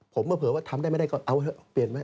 ผมเผลอว่าทำได้ไม่ได้ก็เอาเถอะเปลี่ยนไหม